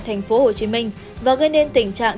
tp hcm và gây nên tình trạng